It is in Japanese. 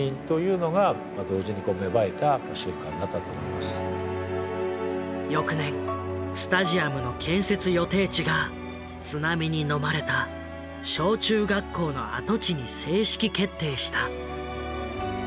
同時に翌年スタジアムの建設予定地が津波にのまれた小中学校の跡地に正式決定した。